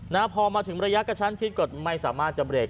นะฮะพอมาถึงระยะกระชั้นชิดก็ไม่สามารถจะเบรก